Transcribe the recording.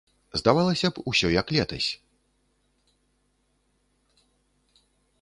Здавалася б, усё як летась.